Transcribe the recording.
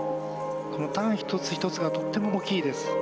このターン一つ一つがとっても大きいです。